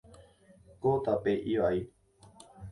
Ko tape ivai.